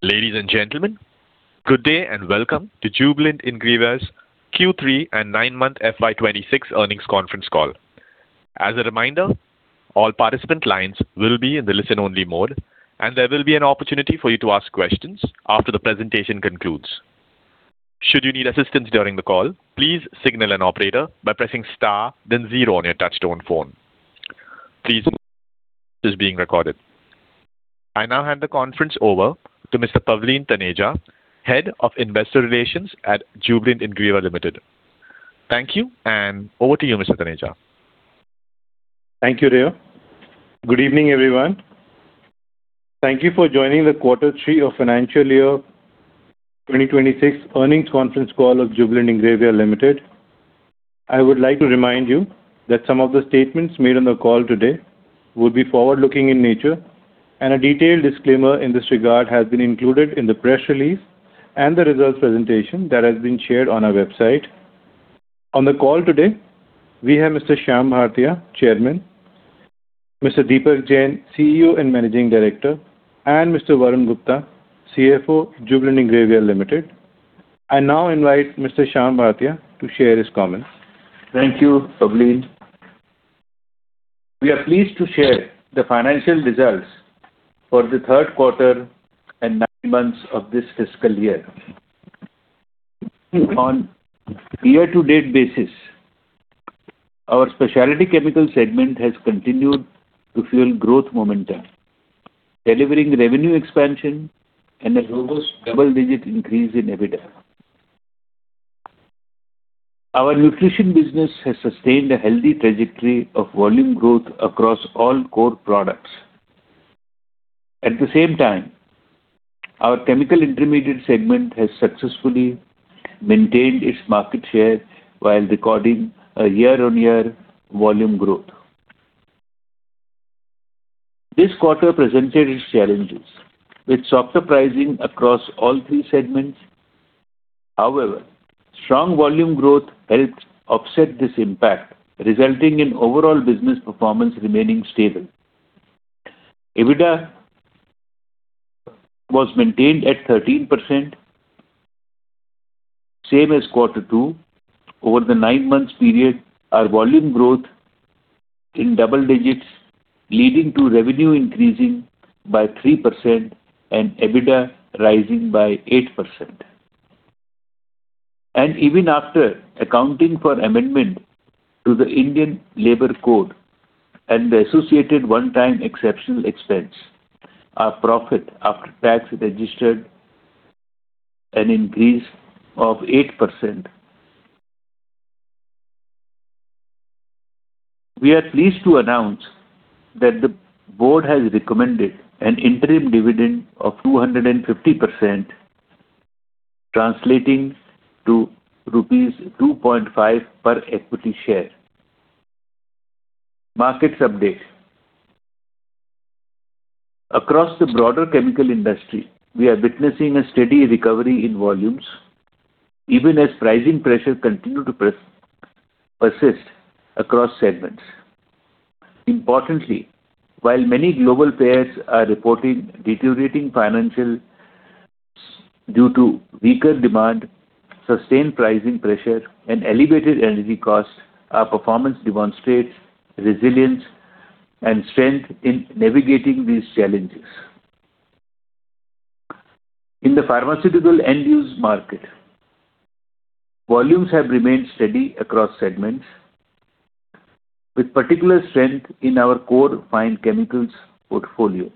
Ladies and gentlemen, good day, and welcome to Jubilant Ingrevia's Q3 and nine-month FY 2026 Earnings Conference Call. As a reminder, all participant lines will be in the listen-only mode, and there will be an opportunity for you to ask questions after the presentation concludes. Should you need assistance during the call, please signal an operator by pressing Star, then zero on your touchtone phone. Please, this is being recorded. I now hand the conference over to Mr. Pavleen Taneja, Head of Investor Relations at Jubilant Ingrevia Limited. Thank you, and over to you, Mr. Taneja. Thank you, Rio. Good evening, everyone. Thank you for joining the Q3 of financial year 2026 earnings conference call of Jubilant Ingrevia Limited. I would like to remind you that some of the statements made on the call today will be forward-looking in nature, and a detailed disclaimer in this regard has been included in the press release and the results presentation that has been shared on our website. On the call today, we have Mr. Shyam S. Bhartia, Chairman, Mr. Deepak Jain, CEO and Managing Director, and Mr. Varun Gupta, CFO, Jubilant Ingrevia Limited. I now invite Mr. Shyam S. Bhartia to share his comments. Thank you, Pavleen. We are pleased to share the financial results for the Q3 and nine months of this fiscal year. On a year-to-date basis, our specialty chemical segment has continued to fuel growth momentum, delivering revenue expansion and a robust double-digit increase in EBITDA. Our nutrition business has sustained a healthy trajectory of volume growth across all core products. At the same time, our chemical intermediate segment has successfully maintained its market share while recording a year-on-year volume growth. This quarter presented its challenges with softer pricing across all three segments. However, strong volume growth helped offset this impact, resulting in overall business performance remaining stable. EBITDA was maintained at 13%, same as Q2. Over the nine-month period, our volume growth in double digits, leading to revenue increasing by 3% and EBITDA rising by 8%. And even after accounting for amendment to the Indian Labour Code and the associated one-time exceptional expense, our profit after tax registered an increase of 8%. We are pleased to announce that the board has recommended an interim dividend of 250%, translating to rupees 2.5 per equity share. Markets update. Across the broader chemical industry, we are witnessing a steady recovery in volumes, even as pricing pressures continue to persist across segments. Importantly, while many global players are reporting deteriorating financials due to weaker demand, sustained pricing pressure, and elevated energy costs, our performance demonstrates resilience and strength in navigating these challenges. In the pharmaceutical end-use market, volumes have remained steady across segments, with particular strength in our core fine chemicals portfolio.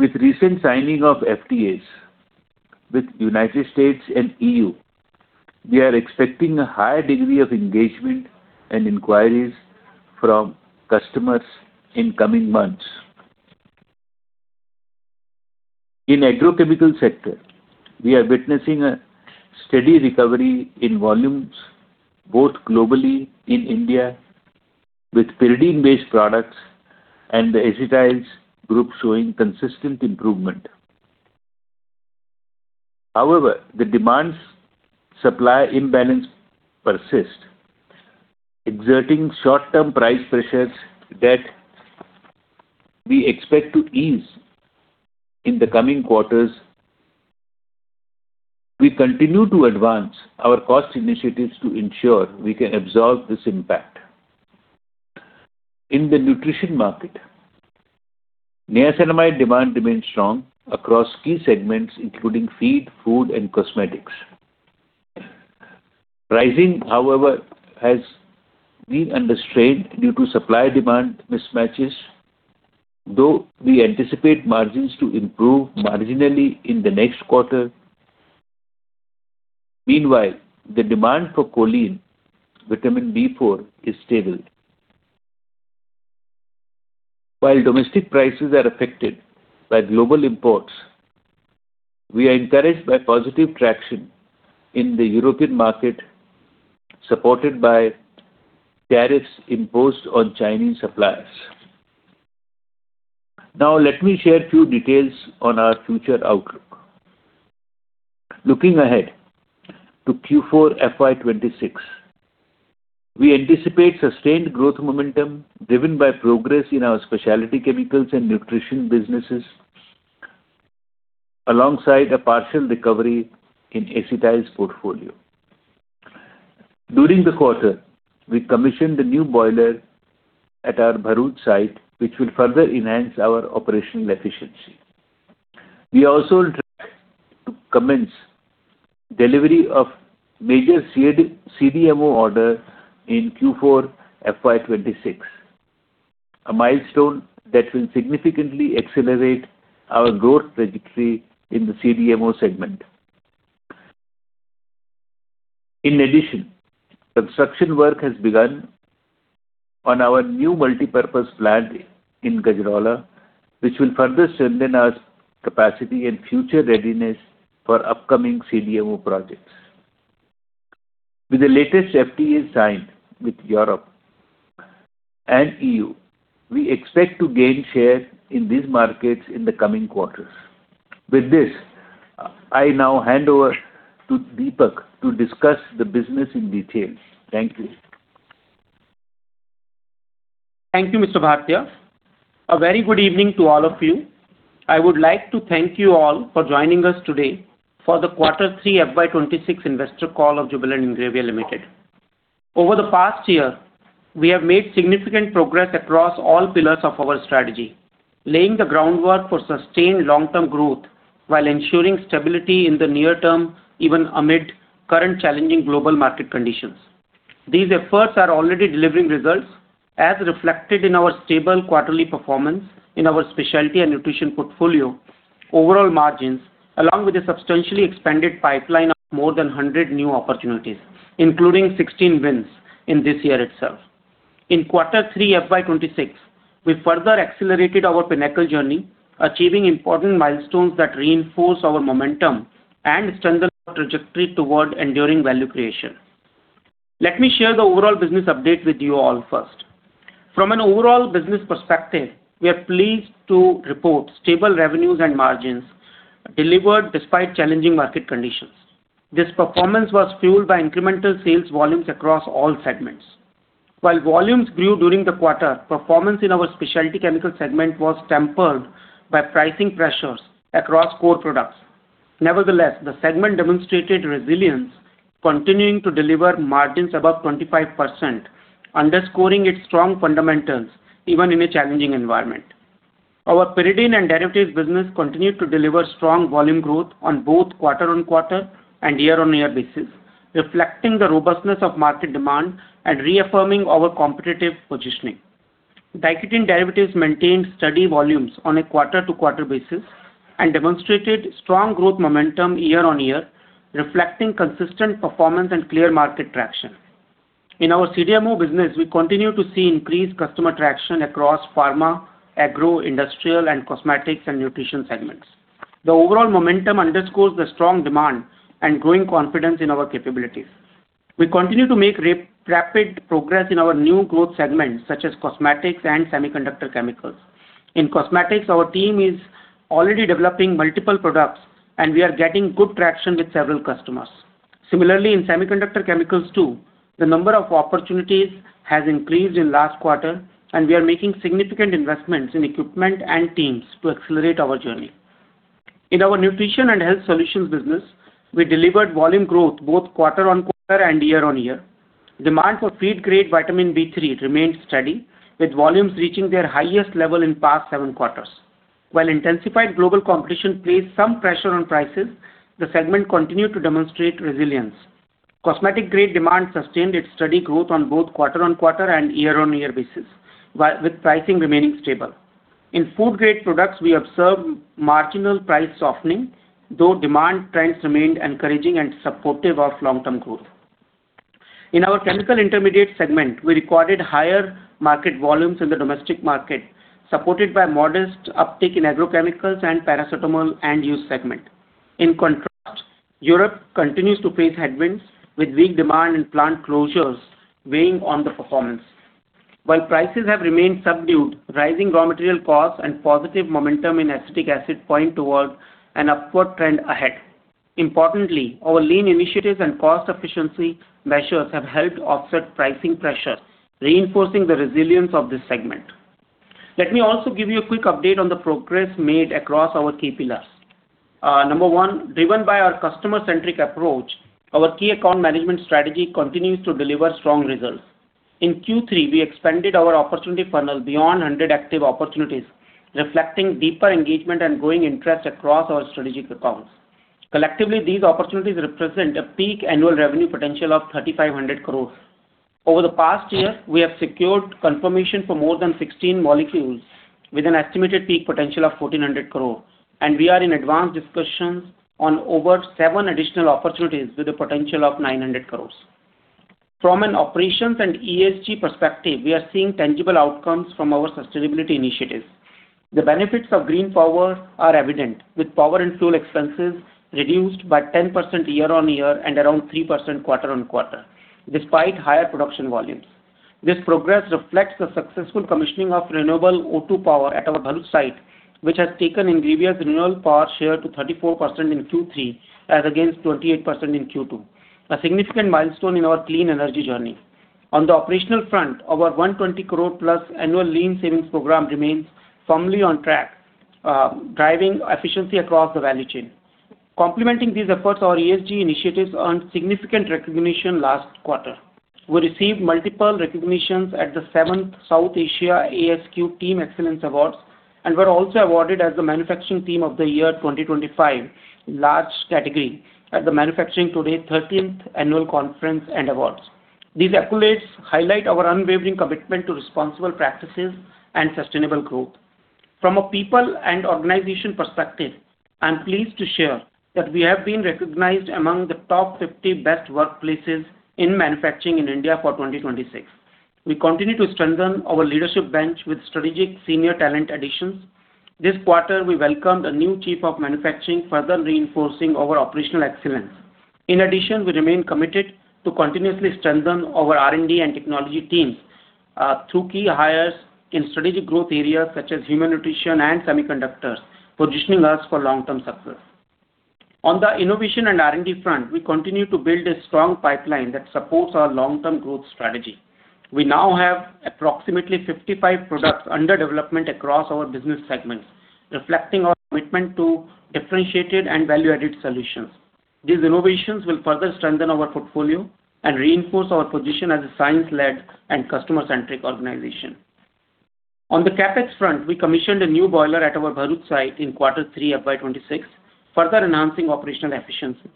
With recent signing of FTAs with United States and EU, we are expecting a higher degree of engagement and inquiries from customers in coming months. In agrochemical sector, we are witnessing a steady recovery in volumes, both globally in India, with pyridine-based products and the acetyles group showing consistent improvement. However, the demands supply imbalance persist, exerting short-term price pressures that we expect to ease in the coming quarters. We continue to advance our cost initiatives to ensure we can absorb this impact. In the nutrition market, niacinamide demand remains strong across key segments, including feed, food, and cosmetics. Pricing, however, has been under strain due to supply-demand mismatches, though we anticipate margins to improve marginally in the next quarter. Meanwhile, the demand for choline, vitamin B4, is stable. While domestic prices are affected by global imports, we are encouraged by positive traction in the European market, supported by tariffs imposed on Chinese suppliers. Now, let me share a few details on our future outlook. Looking ahead to Q4 FY 2026, we anticipate sustained growth momentum driven by progress in our specialty chemicals and nutrition businesses, alongside a partial recovery in Acetyls portfolio. During the quarter, we commissioned a new boiler at our Bharuch site, which will further enhance our operational efficiency. We are also on track to commence delivery of major CDMO order in Q4 FY 2026, a milestone that will significantly accelerate our growth trajectory in the CDMO segment. In addition, construction work has begun on our new multipurpose plant in Gajraula, which will further strengthen our capacity and future readiness for upcoming CDMO projects. With the latest FTA signed with Europe and EU, we expect to gain share in these markets in the coming quarters. With this, I now hand over to Deepak to discuss the business in detail. Thank you. Thank you, Mr. Bhartia. A very good evening to all of you. I would like to thank you all for joining us today for the Q3 FY 2026 investor call of Jubilant Ingrevia Limited. Over the past year, we have made significant progress across all pillars of our strategy, laying the groundwork for sustained long-term growth while ensuring stability in the near term, even amid current challenging global market conditions. These efforts are already delivering results, as reflected in our stable quarterly performance in our specialty and nutrition portfolio, overall margins, along with a substantially expanded pipeline of more than 100 new opportunities, including 16 wins in this year itself. In Q3 FY 2026, we further accelerated our Pinnacle journey, achieving important milestones that reinforce our momentum and strengthen our trajectory toward enduring value creation. Let me share the overall business update with you all first. From an overall business perspective, we are pleased to report stable revenues and margins delivered despite challenging market conditions. This performance was fueled by incremental sales volumes across all segments. While volumes grew during the quarter, performance in our specialty chemical segment was tempered by pricing pressures across core products. Nevertheless, the segment demonstrated resilience, continuing to deliver margins above 25%, underscoring its strong fundamentals, even in a challenging environment. Our Pyridine and derivatives business continued to deliver strong volume growth on both quarter-on-quarter and year-on-year basis, reflecting the robustness of market demand and reaffirming our competitive positioning. Diketone Derivatives maintained steady volumes on a quarter-to-quarter basis and demonstrated strong growth momentum year-on-year, reflecting consistent performance and clear market traction. In our CDMO business, we continue to see increased customer traction across pharma, agro, industrial, and cosmetics and nutrition segments. The overall momentum underscores the strong demand and growing confidence in our capabilities. We continue to make rapid progress in our new growth segments, such as cosmetics and semiconductor chemicals. In cosmetics, our team is already developing multiple products, and we are getting good traction with several customers. Similarly, in semiconductor chemicals, too, the number of opportunities has increased in last quarter, and we are making significant investments in equipment and teams to accelerate our journey. In our nutrition and health solutions business, we delivered volume growth both quarter-on-quarter and year-on-year. Demand for feed-grade Vitamin B3 remained steady, with volumes reaching their highest level in past seven quarters. While intensified global competition placed some pressure on prices, the segment continued to demonstrate resilience. Cosmetic grade demand sustained its steady growth on both quarter-on-quarter and year-on-year basis, with pricing remaining stable. In food grade products, we observed marginal price softening, though demand trends remained encouraging and supportive of long-term growth. In our chemical intermediate segment, we recorded higher market volumes in the domestic market, supported by modest uptick in agrochemicals and paracetamol end-use segment. In contrast, Europe continues to face headwinds, with weak demand and plant closures weighing on the performance. While prices have remained subdued, rising raw material costs and positive momentum in acetic acid point toward an upward trend ahead. Importantly, our lean initiatives and cost efficiency measures have helped offset pricing pressures, reinforcing the resilience of this segment. Let me also give you a quick update on the progress made across our key pillars. Number one, driven by our customer-centric approach, our key account management strategy continues to deliver strong results. In Q3, we expanded our opportunity funnel beyond 100 active opportunities, reflecting deeper engagement and growing interest across our strategic accounts. Collectively, these opportunities represent a peak annual revenue potential of 3,500 crores. Over the past year, we have secured confirmation for more than 16 molecules, with an estimated peak potential of 1,400 crore, and we are in advanced discussions on over 7 additional opportunities with a potential of 900 crores. From an operations and ESG perspective, we are seeing tangible outcomes from our sustainability initiatives. The benefits of green power are evident, with power and fuel expenses reduced by 10% year-on-year and around 3% quarter-on-quarter, despite higher production volumes. This progress reflects the successful commissioning of renewable O2 Power at our Bharuch site, which has taken Ingrevia's renewable power share to 34% in Q3, as against 28% in Q2, a significant milestone in our clean energy journey. On the operational front, our 120 crore-plus annual lean savings program remains firmly on track, driving efficiency across the value chain. Complementing these efforts, our ESG initiatives earned significant recognition last quarter. We received multiple recognitions at the seventh South Asia ASQ Team Excellence Awards, and were also awarded as the manufacturing team of the year 2025, large category at the Manufacturing Today 13th Annual Conference and Awards. These accolades highlight our unwavering commitment to responsible practices and sustainable growth. From a people and organization perspective, I'm pleased to share that we have been recognized among the top 50 best workplaces in manufacturing in India for 2026. We continue to strengthen our leadership bench with strategic senior talent additions. This quarter, we welcomed a new chief of manufacturing, further reinforcing our operational excellence. In addition, we remain committed to continuously strengthen our R&D and technology teams, through key hires in strategic growth areas such as human nutrition and semiconductors, positioning us for long-term success. On the innovation and R&D front, we continue to build a strong pipeline that supports our long-term growth strategy. We now have approximately 55 products under development across our business segments, reflecting our commitment to differentiated and value-added solutions. These innovations will further strengthen our portfolio and reinforce our position as a science-led and customer-centric organization. On the CapEx front, we commissioned a new boiler at our Bharuch site in Q3 of FY 2026, further enhancing operational efficiency.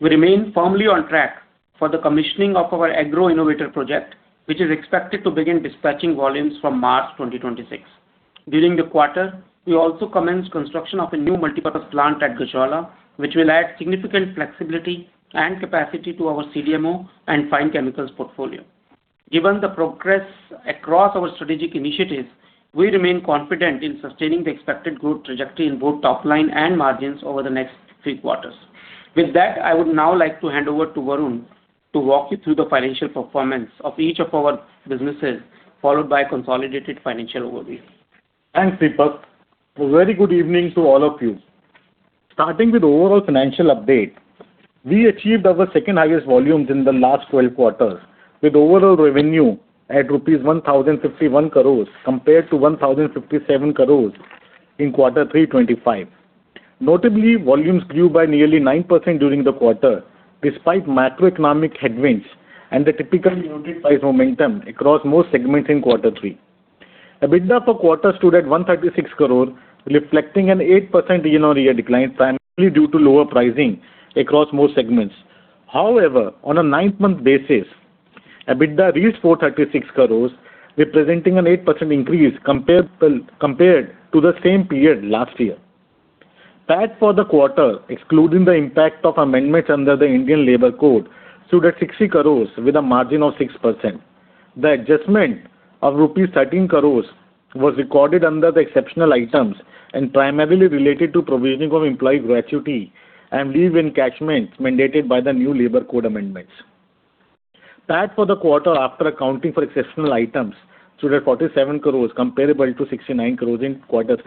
We remain firmly on track for the commissioning of our agro innovator project, which is expected to begin dispatching volumes from March 2026. During the quarter, we also commenced construction of a new multipurpose plant at Gajraula, which will add significant flexibility and capacity to our CDMO and fine chemicals portfolio. Given the progress across our strategic initiatives, we remain confident in sustaining the expected growth trajectory in both top line and margins over the next three quarters. With that, I would now like to hand over to Varun to walk you through the financial performance of each of our businesses, followed by a consolidated financial overview. Thanks, Deepak. A very good evening to all of you. Starting with overall financial update, we achieved our second highest volumes in the last 12 quarters, with overall revenue at rupees 1,051 crores compared to 1,057 crores in Q3 2025. Notably, volumes grew by nearly 9% during the quarter, despite macroeconomic headwinds and the typical unit price momentum across most segments in Q3. EBITDA for quarter stood at 136 crore, reflecting an 8% year-on-year decline, primarily due to lower pricing across most segments. However, on a nine-month basis, EBITDA reached 436 crores, representing an 8% increase compared to the same period last year. PAT for the quarter, excluding the impact of amendments under the Indian Labour Code, stood at 60 crores with a margin of 6%. The adjustment of rupees 13 crore was recorded under the exceptional items and primarily related to provisioning of employee gratuity and leave encashment mandated by the new labor code amendments. PAT for the quarter, after accounting for exceptional items, stood at 47 crore, comparable to 69 crore in Q3,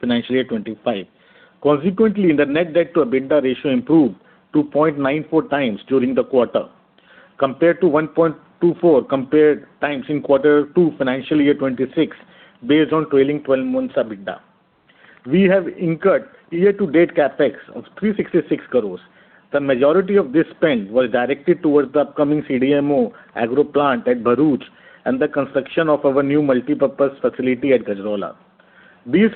FY 2025. Consequently, the net debt to EBITDA ratio improved to 0.94 times during the quarter, compared to 1.24 times in Q2, FY 2026, based on trailing twelve months EBITDA. We have incurred year-to-date CapEx of INR 366 crore. The majority of this spend was directed towards the upcoming CDMO agro plant at Bharuch and the construction of our new multipurpose facility at Gajraula. These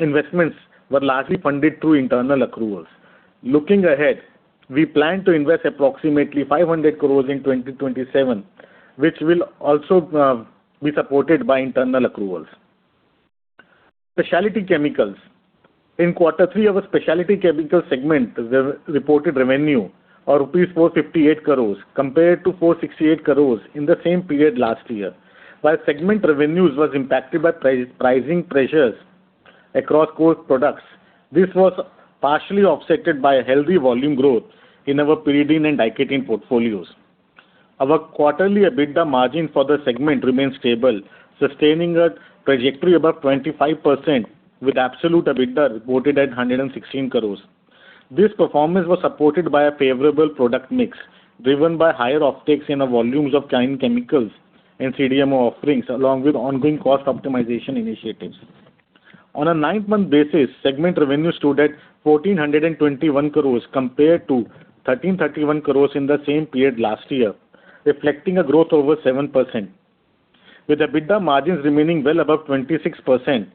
investments were largely funded through internal accruals. Looking ahead, we plan to invest approximately 500 crores in 2027, which will also be supported by internal accruals. Specialty chemicals. In quarter three, our specialty chemicals segment reported revenue of 458 crores rupees, compared to 468 crores in the same period last year. While segment revenues was impacted by pricing pressures across core products, this was partially offset by a healthy volume growth in our pyridine and diketone portfolios. Our quarterly EBITDA margin for the segment remains stable, sustaining a trajectory above 25%, with absolute EBITDA reported at 116 crores. This performance was supported by a favorable product mix, driven by higher optics in the volumes of fine chemicals and CDMO offerings, along with ongoing cost optimization initiatives. On a nine-month basis, segment revenue stood at 1,421 crore, compared to 1,331 crore in the same period last year, reflecting a growth over 7%. With EBITDA margins remaining well above 26%,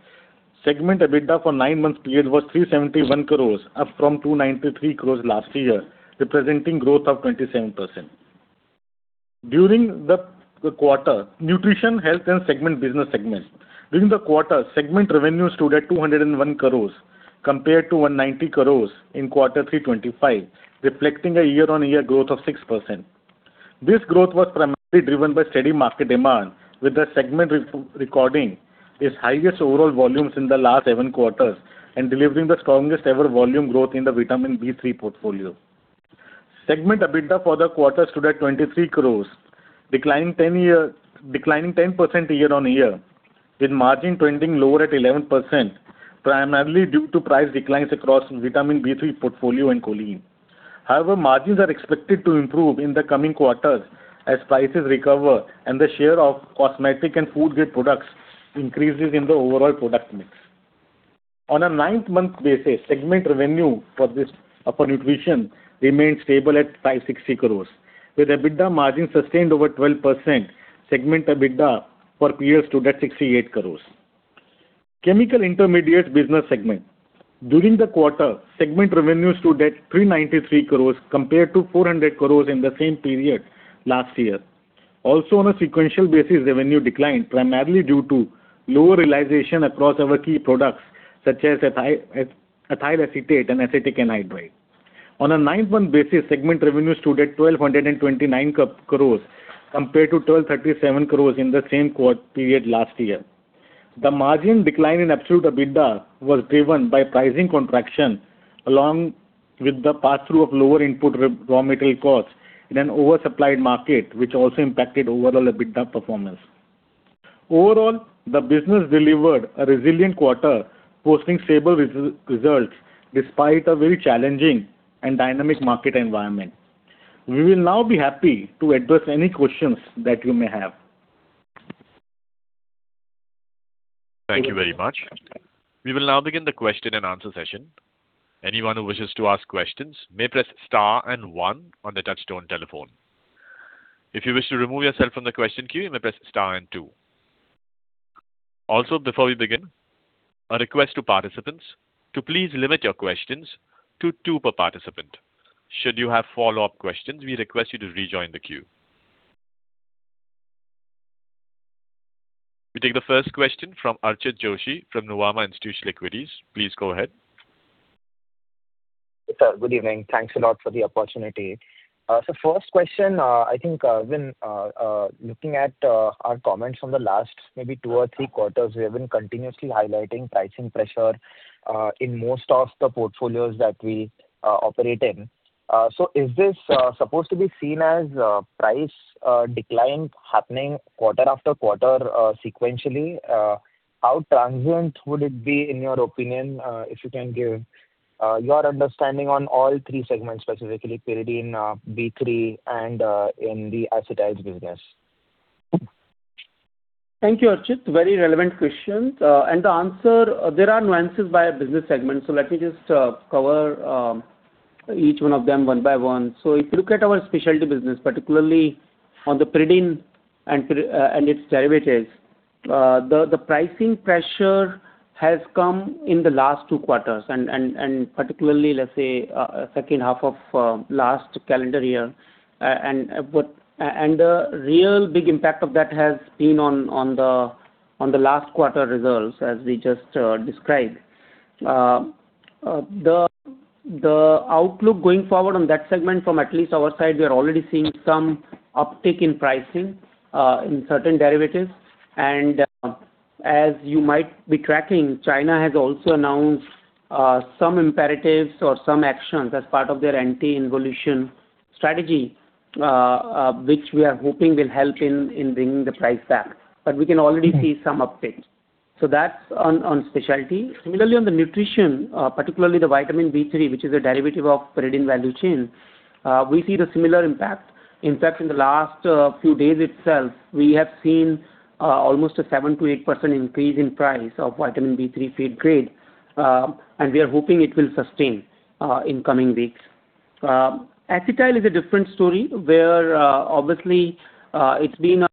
segment EBITDA for nine-month period was 371 crore, up from 293 crore last year, representing growth of 27%. During the quarter, segment revenue stood at 201 crore, compared to 190 crore in Q3, 2025, reflecting a year-on-year growth of 6%. This growth was primarily driven by steady market demand, with the segment recording its highest overall volumes in the last 7 quarters and delivering the strongest ever volume growth in the Vitamin B3 portfolio. Segment EBITDA for the quarter stood at 23 crore, declining 10% year-on-year, with margin trending lower at 11%, primarily due to price declines across vitamin B3 portfolio and choline. However, margins are expected to improve in the coming quarters as prices recover and the share of cosmetic and food grade products increases in the overall product mix. On a nine-month basis, segment revenue for this, for nutrition remained stable at 560 crore, with EBITDA margins sustained over 12%. Segment EBITDA for peers stood at 68 crore. Chemical intermediate business segment. During the quarter, segment revenue stood at 393 crore compared to 400 crore in the same period last year. Also, on a sequential basis, revenue declined, primarily due to lower realization across our key products, such as ethyl acetate and acetic anhydride. On a nine-month basis, segment revenue stood at 1,229 crores, compared to 1,237 crores in the same period last year. The margin decline in absolute EBITDA was driven by pricing contraction, along with the passthrough of lower input raw material costs in an oversupplied market, which also impacted overall EBITDA performance. Overall, the business delivered a resilient quarter, posting stable results despite a very challenging and dynamic market environment. We will now be happy to address any questions that you may have. Thank you very much. We will now begin the question and answer session. Anyone who wishes to ask questions may press star and one on the touchtone telephone. If you wish to remove yourself from the question queue, you may press star and two. Also, before we begin, a request to participants to please limit your questions to two per participant. Should you have follow-up questions, we request you to rejoin the queue. We take the first question from Archit Joshi, from Nuvama Institutional Equities. Please go ahead. Sir, good evening. Thanks a lot for the opportunity. So first question, I think, when looking at our comments from the last maybe two or three quarters, we have been continuously highlighting pricing pressure in most of the portfolios that we operate in. So is this supposed to be seen as price decline happening quarter-after-quarter sequentially? How transient would it be, in your opinion, if you can give your understanding on all three segments, specifically pyridine, B3, and in the acetyl business? Thank you, Archit. Very relevant questions. And the answer, there are nuances by a business segment, so let me just cover each one of them one by one. So if you look at our specialty business, particularly on the pyridine and its derivatives, the pricing pressure has come in the last two quarters and particularly, let's say, second half of last calendar year. And the real big impact of that has been on the last quarter results, as we just described. The outlook going forward on that segment from at least our side, we are already seeing some uptick in pricing in certain derivatives. And as you might be tracking, China has also announced some imperatives or some actions as part of their anti-involution strategy, which we are hoping will help in bringing the price back. But we can already see some uptake. So that's on specialty. Similarly, on the nutrition, particularly the Vitamin B3, which is a derivative of Pyridine value chain, we see the similar impact. In fact, in the last few days itself, we have seen almost a 7%-8% increase in price of Vitamin B3 feed grade, and we are hoping it will sustain in coming weeks. Acetyl is a different story, where obviously it's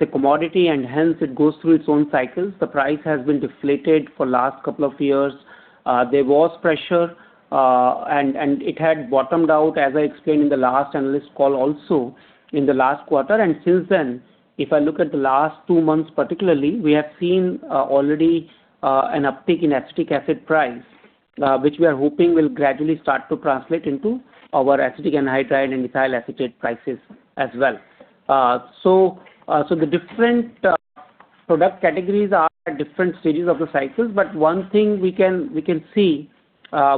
a commodity, and hence it goes through its own cycles. The price has been deflated for last couple of years. There was pressure, and it had bottomed out, as I explained in the last analyst call, also in the last quarter. And since then, if I look at the last two months particularly, we have seen already an uptick in acetic acid price, which we are hoping will gradually start to translate into our acetic anhydride and ethyl acetate prices as well. So, the different product categories are at different stages of the cycles, but one thing we can see,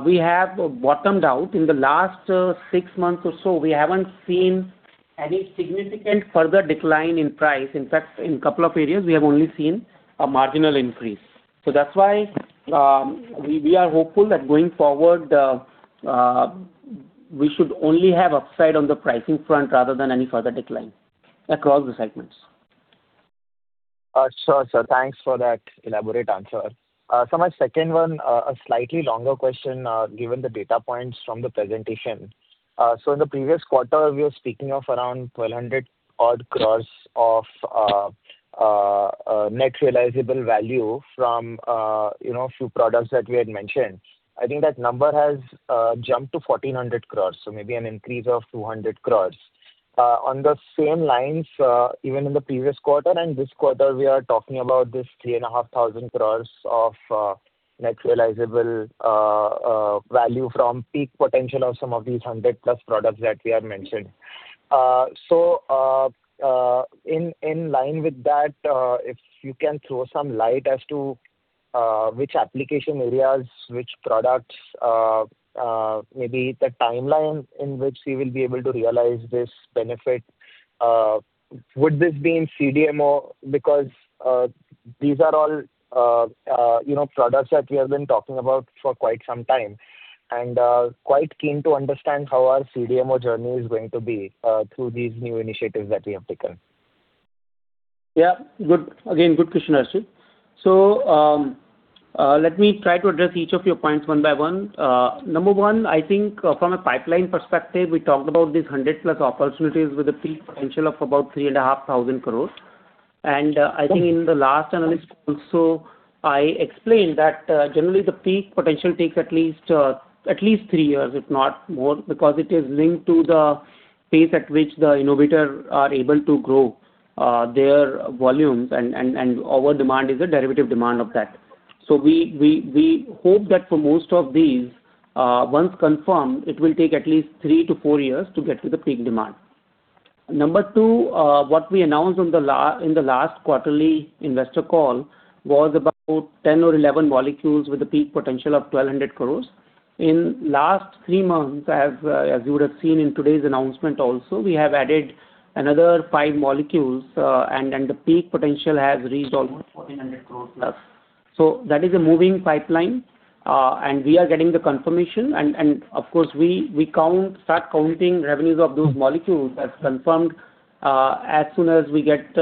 we have bottomed out. In the last six months or so, we haven't seen any significant further decline in price. In fact, in couple of areas, we have only seen a marginal increase. So that's why we are hopeful that going forward we should only have upside on the pricing front rather than any further decline across the segments. Sure, sir. Thanks for that elaborate answer. So my second one, a slightly longer question, given the data points from the presentation. So in the previous quarter, we were speaking of around 1,200-odd crore of net realizable value from, you know, a few products that we had mentioned. I think that number has jumped to 1,400 crore, so maybe an increase of 200 crore. On the same lines, even in the previous quarter and this quarter, we are talking about this 3,500 crore of net realizable value from peak potential of some of these 100+ products that we have mentioned. So, in line with that, if you can throw some light as to-... Which application areas, which products, maybe the timeline in which we will be able to realize this benefit? Would this be in CDMO? Because, these are all, you know, products that we have been talking about for quite some time, and quite keen to understand how our CDMO journey is going to be, through these new initiatives that we have taken. Yeah. Good. Again, good question, Archit. So, let me try to address each of your points one by one. Number one, I think from a pipeline perspective, we talked about these 100+ opportunities with a peak potential of about 3,500 crore. And, I think in the last analysis also, I explained that, generally the peak potential takes at least, at least three years, if not more, because it is linked to the pace at which the innovator are able to grow, their volumes, and our demand is a derivative demand of that. So we hope that for most of these, once confirmed, it will take at least 3-4 years to get to the peak demand. Number two, what we announced on the la- in the last quarterly investor call was about 10 or 11 molecules with a peak potential of 1,200 crore. In last 3 months, as you would have seen in today's announcement also, we have added another 5 molecules, and the peak potential has reached almost 1,400 crore plus. So that is a moving pipeline, and we are getting the confirmation. And of course, we start counting revenues of those molecules as confirmed, as soon as we get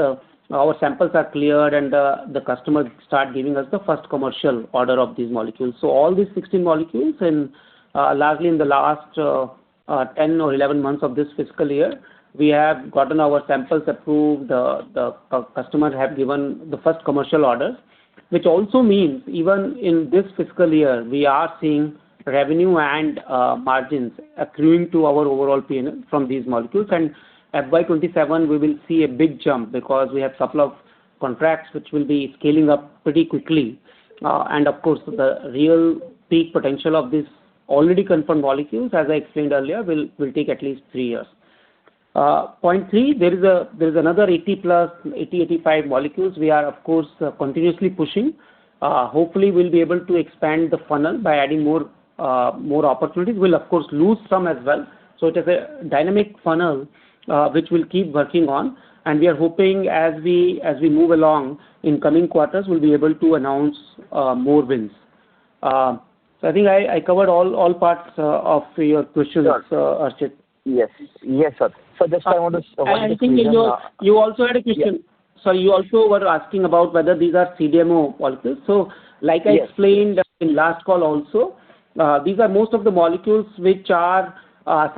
our samples are cleared and the customers start giving us the first commercial order of these molecules. So all these 16 molecules, and largely in the last 10 or 11 months of this fiscal year, we have gotten our samples approved. The customers have given the first commercial orders, which also means even in this fiscal year, we are seeing revenue and margins accruing to our overall P&L from these molecules. And by 2027, we will see a big jump because we have a couple of contracts which will be scaling up pretty quickly. And of course, the real peak potential of these already confirmed molecules, as I explained earlier, will take at least three years. Point three, there is another 80+, 85 molecules we are, of course, continuously pushing. Hopefully, we'll be able to expand the funnel by adding more opportunities. We'll of course lose some as well. So it is a dynamic funnel, which we'll keep working on, and we are hoping as we move along in coming quarters, we'll be able to announce more wins. So I think I covered all parts of your question, Archit. Yes. Yes, sir. So just I want to- I think you know, you also had a question. Yeah. You also were asking about whether these are CDMO molecules. Yes. So like I explained in last call also, these are most of the molecules which are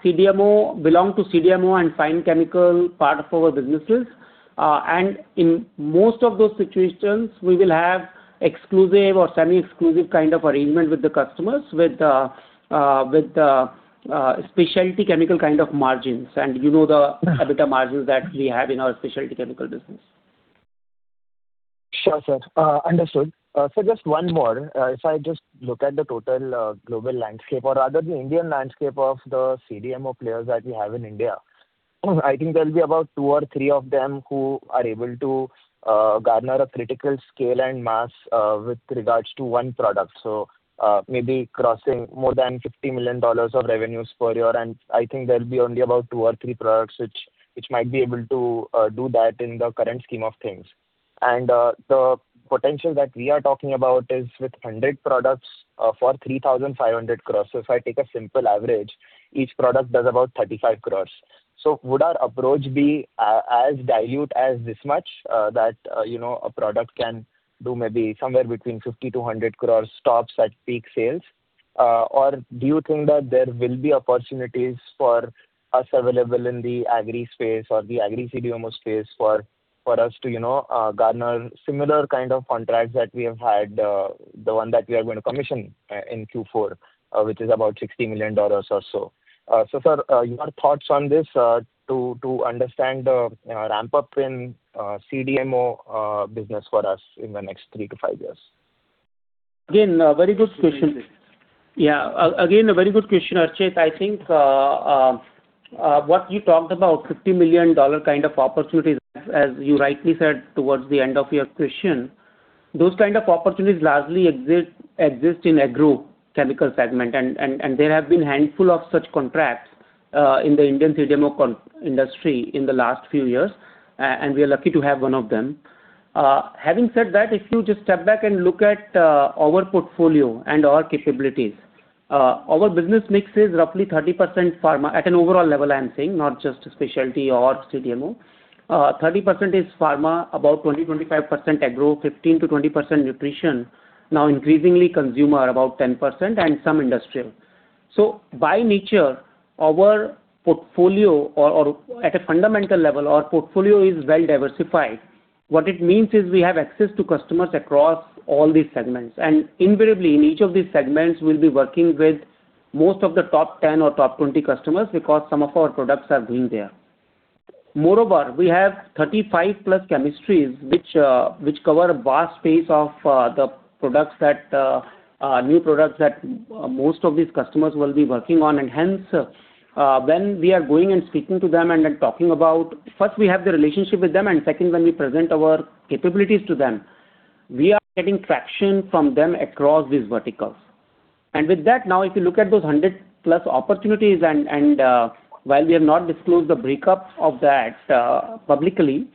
CDMO, belong to CDMO and fine chemical part of our businesses. And in most of those situations, we will have exclusive or semi-exclusive kind of arrangement with the customers, with the specialty chemical kind of margins. And you know the EBITDA margins that we have in our specialty chemical business. Sure, sir. Understood. So just one more. If I just look at the total global landscape, or rather the Indian landscape of the CDMO players that we have in India, I think there'll be about two or three of them who are able to garner a critical scale and mass with regards to one product. So maybe crossing more than $50 million of revenues per year. And I think there'll be only about two or three products which might be able to do that in the current scheme of things. And the potential that we are talking about is with 100 products for 3,500 crores. So if I take a simple average, each product does about 35 crores. So would our approach be as dilute as this much, you know, a product can do maybe somewhere between 50 crores-100 crores tops at peak sales? Or do you think that there will be opportunities for us available in the agri space or the agri CDMO space for us to, you know, garner similar kind of contracts that we have had, the one that we are going to commission in Q4, which is about $60 million or so. So, sir, your thoughts on this, to understand the ramp-up in CDMO business for us in the next 3-5 years? Again, very good question. Yeah. Again, a very good question, Archit. I think, what you talked about, $50 million kind of opportunities, as you rightly said towards the end of your question, those kind of opportunities largely exist in agrochemical segment. And there have been a handful of such contracts in the Indian CDMO industry in the last few years, and we are lucky to have one of them. Having said that, if you just step back and look at our portfolio and our capabilities, our business mix is roughly 30% pharma, at an overall level, I'm saying, not just specialty or CDMO. 30% is pharma, about 20-25% agro, 15%-20% nutrition, now increasingly consumer about 10%, and some industrial. So by nature, our portfolio or at a fundamental level, our portfolio is well diversified. What it means is we have access to customers across all these segments, and invariably, in each of these segments, we'll be working with most of the top 10 or top 20 customers because some of our products are being there. Moreover, we have 35+ chemistries, which cover a vast space of the products that new products that most of these customers will be working on. And hence, when we are going and speaking to them and then talking about... First, we have the relationship with them, and second, when we present our capabilities to them, we are getting traction from them across these verticals... And with that, now if you look at those 100+ opportunities, and while we have not disclosed the breakup of that publicly,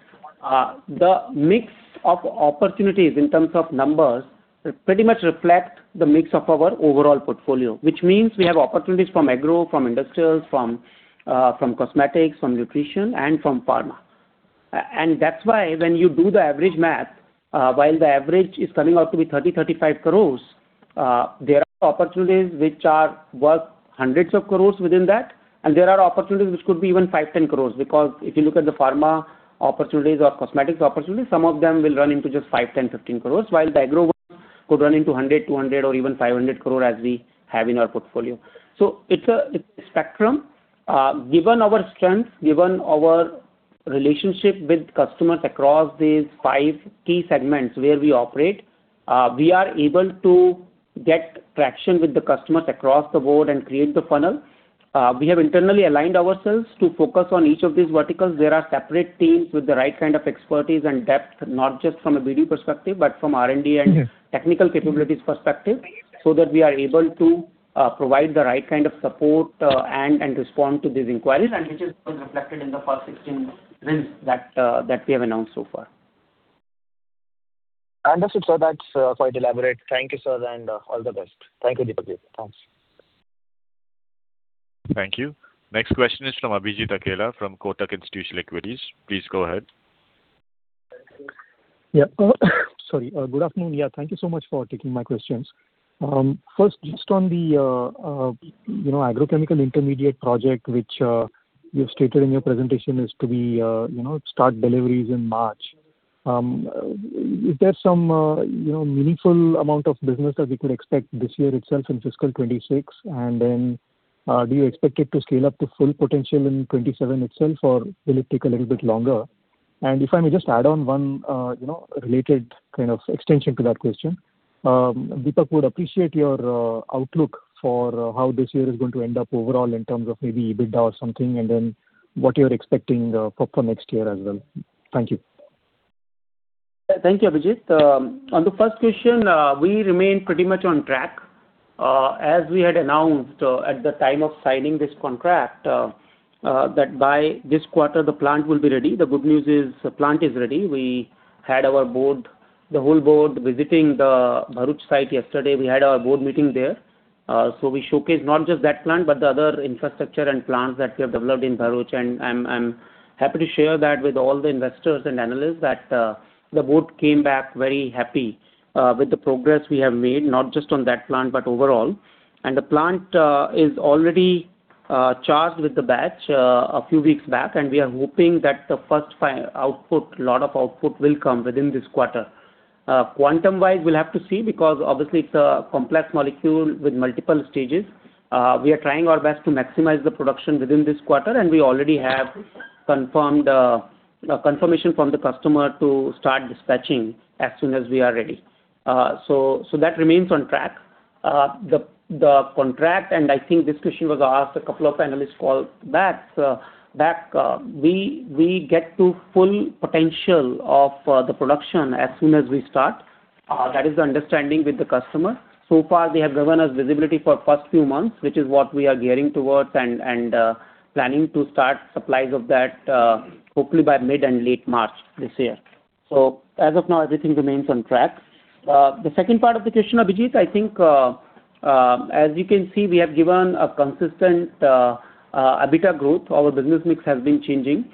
the mix of opportunities in terms of numbers pretty much reflect the mix of our overall portfolio. Which means we have opportunities from agro, from industrials, from cosmetics, from nutrition, and from pharma. And that's why when you do the average math, while the average is coming out to be 30 crore-35 crore, there are opportunities which are worth hundreds of crores within that, and there are opportunities which could be even 5 crore-10 crore. Because if you look at the pharma opportunities or cosmetics opportunities, some of them will run into just 5 crore, 10 crore, 15 crore, while the agro could run into 100 crore, 200 crore, or even 500 crore as we have in our portfolio. So it's a spectrum. Given our strength, given our relationship with customers across these five key segments where we operate, we are able to get traction with the customers across the board and create the funnel. We have internally aligned ourselves to focus on each of these verticals. There are separate teams with the right kind of expertise and depth, not just from a BD perspective, but from R&D and- Mm-hmm. technical capabilities perspective, so that we are able to provide the right kind of support and respond to these inquiries, and which is reflected in the first 16 wins that we have announced so far. Understood, sir. That's quite elaborate. Thank you, sir, and all the best. Thank you, Deepak sir. Thanks. Thank you. Next question is from Abhijit Akella from Kotak Institutional Equities. Please go ahead. Yeah. Sorry. Good afternoon. Yeah, thank you so much for taking my questions. First, just on the, you know, agrochemical intermediate project, which you stated in your presentation is to be, you know, start deliveries in March. Is there some, you know, meaningful amount of business that we could expect this year itself in fiscal 2026? And then, do you expect it to scale up to full potential in 2027 itself, or will it take a little bit longer? And if I may just add on one, you know, related kind of extension to that question, Deepak, would appreciate your outlook for how this year is going to end up overall in terms of maybe EBITDA or something, and then what you're expecting for next year as well. Thank you. Thank you, Abhijit. On the first question, we remain pretty much on track. As we had announced, at the time of signing this contract, that by this quarter, the plant will be ready. The good news is, the plant is ready. We had our board, the whole board, visiting the Bharuch site yesterday. We had our board meeting there. So we showcased not just that plant, but the other infrastructure and plants that we have developed in Bharuch. And I'm, I'm happy to share that with all the investors and analysts, that, the board came back very happy, with the progress we have made, not just on that plant, but overall. And the plant is already charged with the batch a few weeks back, and we are hoping that the first output, lot of output, will come within this quarter. Quantum-wise, we'll have to see, because obviously it's a complex molecule with multiple stages. We are trying our best to maximize the production within this quarter, and we already have confirmed confirmation from the customer to start dispatching as soon as we are ready. So that remains on track. The contract, and I think this question was asked a couple of analysts call back, that we get to full potential of the production as soon as we start. That is the understanding with the customer. So far, they have given us visibility for first few months, which is what we are gearing towards and planning to start supplies of that, hopefully by mid and late March this year. So as of now, everything remains on track. The second part of the question, Abhijit, I think, as you can see, we have given a consistent EBITDA growth. Our business mix has been changing.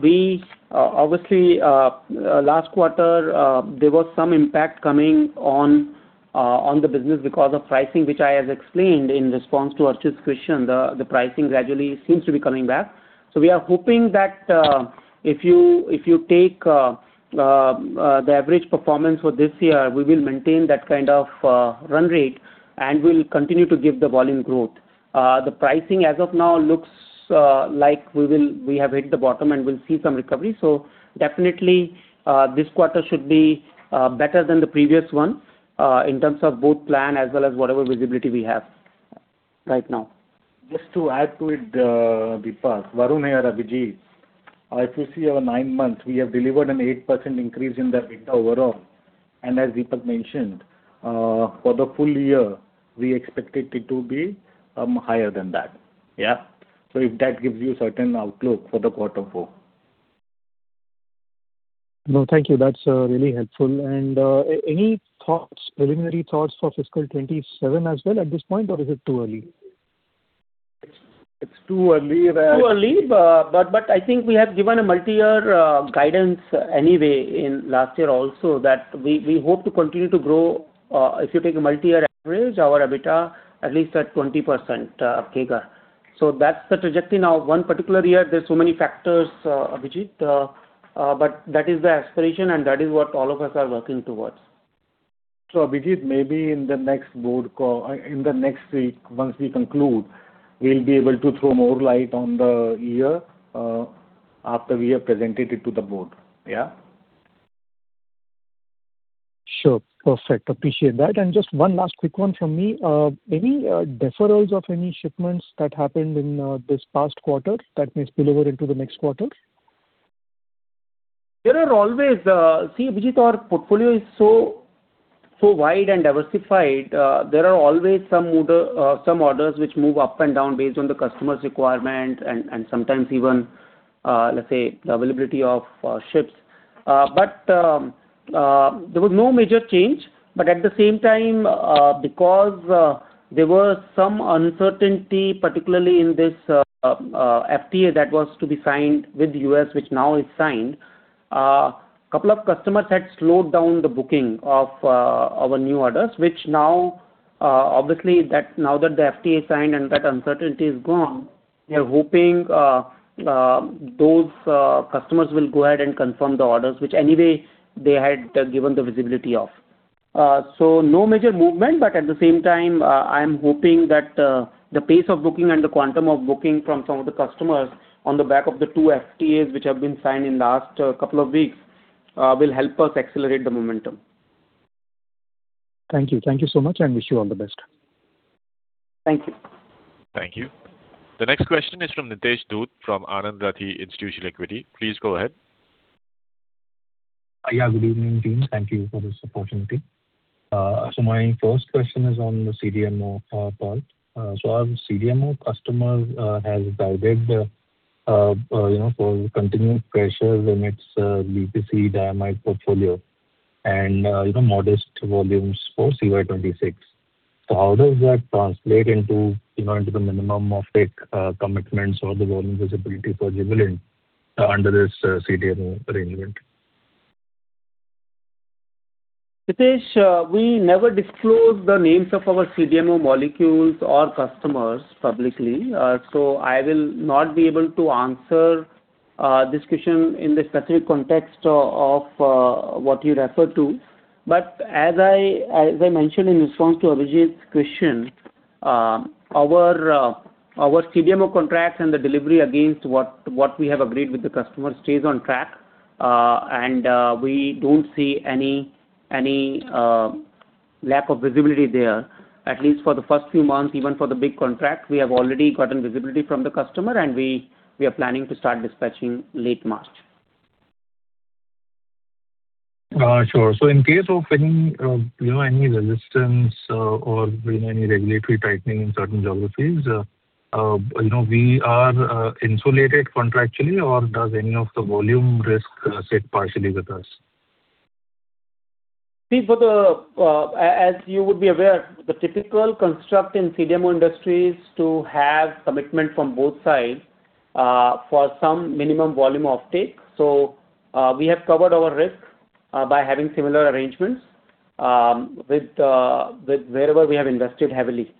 We obviously, last quarter, there was some impact coming on the business because of pricing, which I have explained in response to Archit's question. The pricing gradually seems to be coming back. So we are hoping that, if you take the average performance for this year, we will maintain that kind of run rate, and we'll continue to give the volume growth. The pricing as of now looks like we will, we have hit the bottom, and we'll see some recovery. So definitely, this quarter should be better than the previous one, in terms of both plan as well as whatever visibility we have right now. Just to add to it, Deepak, Varun here, Abhijit. If you see our nine months, we have delivered an 8% increase in the EBITDA overall. And as Deepak mentioned, for the full year, we expect it to be higher than that. Yeah. So if that gives you certain outlook for the Q4. No, thank you. That's really helpful. Any thoughts, preliminary thoughts for fiscal 2027 as well at this point, or is it too early? It's too early, but- Too early, but, but I think we have given a multi-year guidance anyway in last year also, that we, we hope to continue to grow, if you take a multi-year average, our EBITDA at least at 20%, CAGR. So that's the trajectory. Now, one particular year, there's so many factors, Abhijit, but that is the aspiration and that is what all of us are working towards. So, Abhijit, maybe in the next board call, in the next week, once we conclude, we'll be able to throw more light on the year, after we have presented it to the board. Yeah? Sure. Perfect. Appreciate that. And just one last quick one from me. Any deferrals of any shipments that happened in this past quarter that may spill over into the next quarter? There are always, see, Abhijit, our portfolio is so, so wide and diversified, there are always some order, some orders which move up and down based on the customer's requirement and, and sometimes even, let's say, the availability of, ships. But there was no major change, but at the same time, because there were some uncertainty, particularly in this, FTA that was to be signed with the U.S., which now is signed, couple of customers had slowed down the booking of, our new orders, which now, obviously, that now that the FTA is signed and that uncertainty is gone, we are hoping, those, customers will go ahead and confirm the orders, which anyway they had given the visibility of. No major movement, but at the same time, I'm hoping that the pace of booking and the quantum of booking from some of the customers on the back of the 2 FTAs, which have been signed in last couple of weeks, will help us accelerate the momentum. Thank you. Thank you so much, and wish you all the best. Thank you. Thank you. The next question is from Nitesh Dhoot, from Anand Rathi Institutional Equities. Please go ahead. Yeah, good evening, team. Thank you for this opportunity. So my first question is on the CDMO, part. So our CDMO customer has guided, you know, for continued pressures in its, FMC diamide portfolio and, you know, modest volumes for CY 2026. So how does that translate into, you know, into the minimum offtake, commitments or the volume visibility for Jubilant under this, CDMO arrangement? Nitesh, we never disclose the names of our CDMO molecules or customers publicly, so I will not be able to answer this question in the specific context of what you referred to. But as I mentioned in response to Abhijit's question, our CDMO contracts and the delivery against what we have agreed with the customer stays on track, and we don't see any lack of visibility there, at least for the first few months, even for the big contract, we have already gotten visibility from the customer, and we are planning to start dispatching late March. Sure. So in case of any, you know, any resistance, or any regulatory tightening in certain geographies, you know, we are insulated contractually, or does any of the volume risk sit partially with us? See, for the, as you would be aware, the typical construct in CDMO industry is to have commitment from both sides, for some minimum volume offtake. So, we have covered our risk, by having similar arrangements, with wherever we have invested heavily.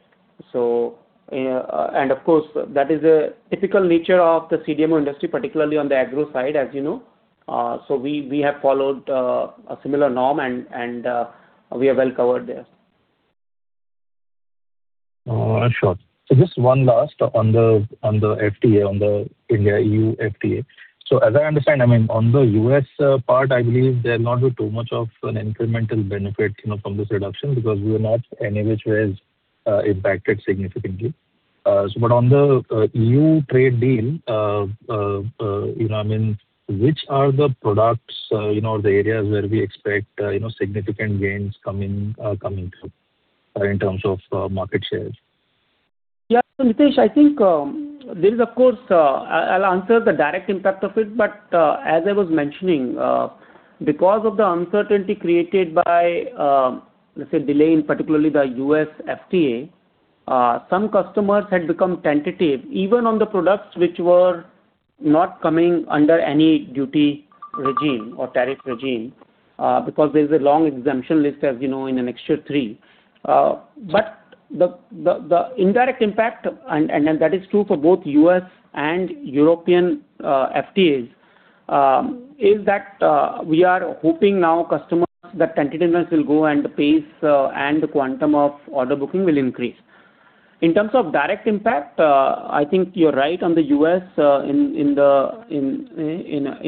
So, and of course, that is a typical nature of the CDMO industry, particularly on the agro side, as you know. So we have followed a similar norm, and we are well covered there. Sure. So just one last on the FTA, on the India-EU FTA. So as I understand, I mean, on the US part, I believe there not be too much of an incremental benefit, you know, from this reduction, because we are not any which way impacted significantly. So but on the EU trade deal, you know, I mean, which are the products, you know, or the areas where we expect, you know, significant gains coming, coming through, in terms of market shares? Yeah. So, Nitesh, I think, there is of course, I'll answer the direct impact of it, but, as I was mentioning, because of the uncertainty created by, let's say, delay in particularly the US FTA, some customers had become tentative, even on the products which were not coming under any duty regime or tariff regime, because there is a long exemption list, as you know, in Annexure Three. But the indirect impact, and that is true for both US and European FTAs, is that, we are hoping now customers, that tentativeness will go and the pace, and the quantum of order booking will increase. In terms of direct impact, I think you're right on the US, in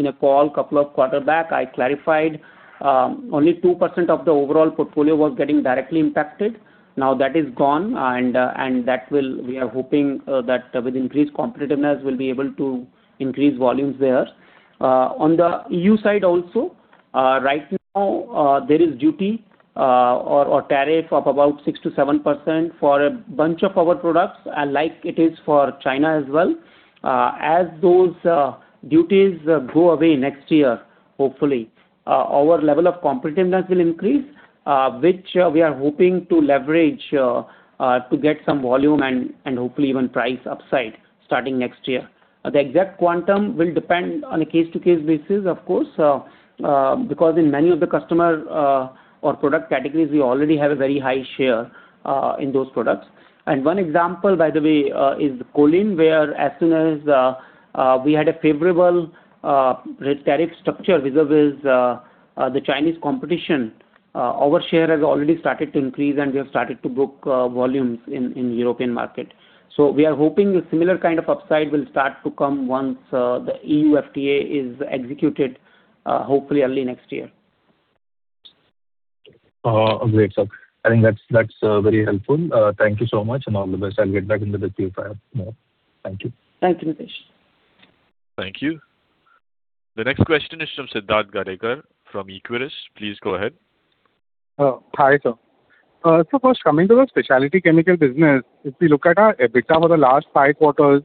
a call a couple of quarters back, I clarified, only 2% of the overall portfolio was getting directly impacted. Now, that is gone, and that will... We are hoping that with increased competitiveness, we'll be able to increase volumes there. On the EU side also, right now, there is duty, or tariff of about 6%-7% for a bunch of our products, and like it is for China as well. As those duties go away next year, hopefully, our level of competitiveness will increase, which we are hoping to leverage, to get some volume and hopefully even price upside, starting next year. The exact quantum will depend on a case-to-case basis, of course, because in many of the customer or product categories, we already have a very high share in those products. One example, by the way, is Choline, where as soon as we had a favorable tariff structure vis-a-vis the Chinese competition, our share has already started to increase, and we have started to book volumes in European market. We are hoping a similar kind of upside will start to come once the EU FTA is executed, hopefully early next year. Great, sir. I think that's very helpful. Thank you so much, and all the best. I'll get back in touch with you if I have more. Thank you. Thank you, Ritesh. Thank you. The next question is from Siddharth Gadekar from Equirus. Please go ahead. Hi, sir. So first, coming to the specialty chemical business, if we look at our EBITDA for the last five quarters,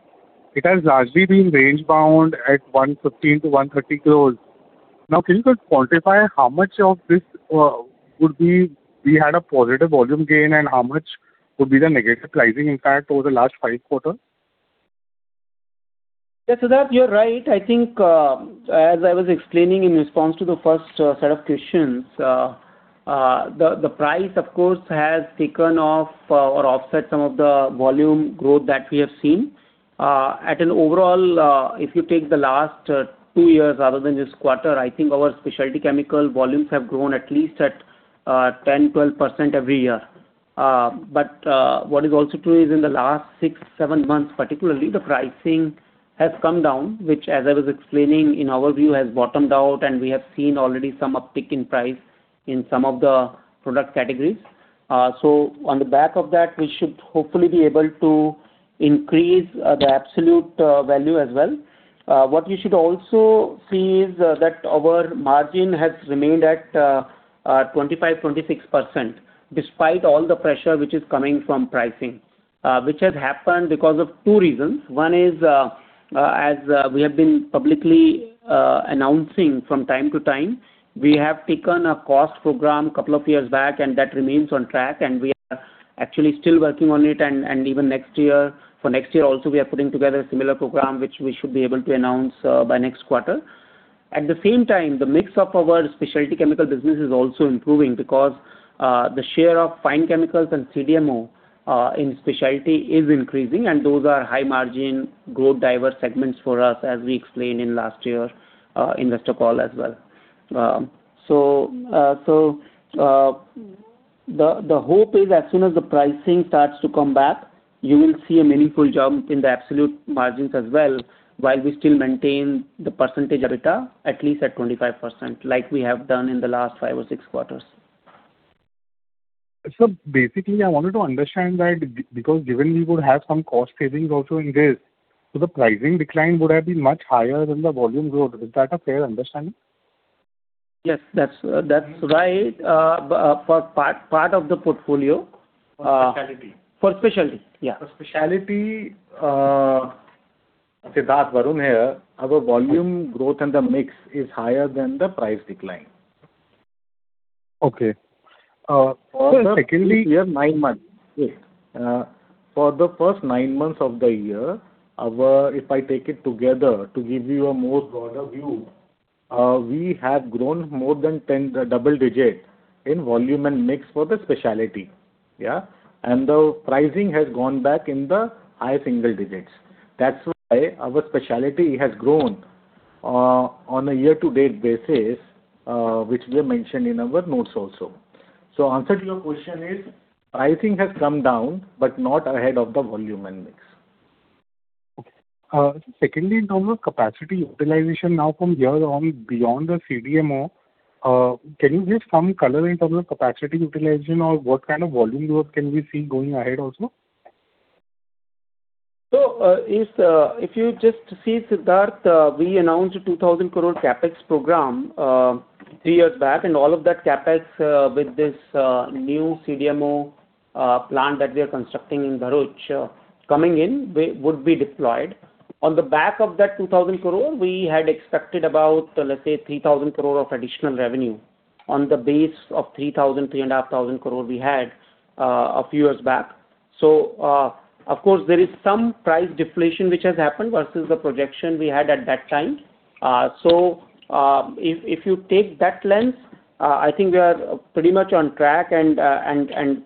it has largely been range-bound at 115 crores-130 crores. Now, can you just quantify how much of this would be we had a positive volume gain, and how much would be the negative pricing impact over the last five quarters? Yes, Siddharth, you're right. I think, as I was explaining in response to the first set of questions, the price, of course, has taken off or offset some of the volume growth that we have seen. At an overall, if you take the last 2 years rather than this quarter, I think our specialty chemical volumes have grown at least at 10, 12% every year. But what is also true is in the last 6, 7 months, particularly, the pricing has come down, which, as I was explaining, in our view, has bottomed out, and we have seen already some uptick in price in some of the product categories. So on the back of that, we should hopefully be able to increase the absolute value as well. What you should also see is that our margin has remained at 25-26%, despite all the pressure which is coming from pricing. Which has happened because of two reasons. One is, as we have been publicly announcing from time to time, we have taken a cost program couple of years back, and that remains on track, and we are actually still working on it. And even next year, for next year also, we are putting together a similar program, which we should be able to announce by next quarter. At the same time, the mix of our specialty chemical business is also improving because the share of fine chemicals and CDMO in specialty is increasing, and those are high-margin, growth driver segments for us, as we explained in last year investor call as well. The hope is as soon as the pricing starts to come back, you will see a meaningful jump in the absolute margins as well, while we still maintain the percentage EBITDA at least at 25%, like we have done in the last five or six quarters. Basically, I wanted to understand that because given we would have some cost savings also in this, so the pricing decline would have been much higher than the volume growth. Is that a fair understanding? Yes, that's right. For part of the portfolio. For specialty. For specialty, yeah. For specialty, Siddharth, Varun here, our volume growth and the mix is higher than the price decline. Okay. Secondly- For the first nine months. For the first nine months of the year, our. If I take it together to give you a more broader view, we have grown more than 10 double-digit in volume and mix for the specialty, yeah? And the pricing has gone back in the high single digits. That's why our specialty has grown, on a year-to-date basis, which we have mentioned in our notes also. So answer to your question is, pricing has come down, but not ahead of the volume and mix. Okay. Secondly, in terms of capacity utilization now from here on, beyond the CDMO, can you give some color in terms of capacity utilization or what kind of volume growth can we see going ahead also? So, if you just see, Siddharth, we announced a 2,000 crore CapEx program three years back, and all of that CapEx, with this new CDMO plant that we are constructing in Bharuch coming in, would be deployed. On the back of that 2,000 crore, we had expected about, let's say, 3,000 crore of additional revenue on the base of 3,000-3,500 crore we had a few years back. So, of course, there is some price deflation which has happened versus the projection we had at that time. So, if you take that lens, I think we are pretty much on track.